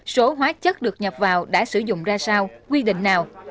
số hóa chất được nhập vào đã sử dụng ra sao quy định nào